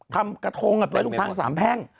ทำกระทงอะไปไว้ตรงทางสามแพง